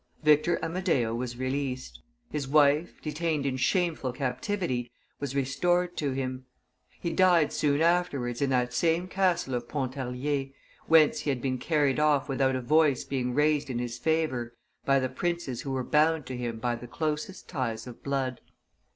Victor Amadeo was released; his wife, detained in shameful captivity, was restored to him; he died soon afterwards in that same castle of Pontarlier, whence he had been carried off without a voice being raised in his favor by the princes who were bound to him by the closest ties of blood.